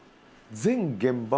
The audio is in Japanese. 全現場